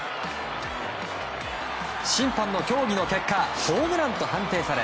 審判の協議の結果ホームランと判定され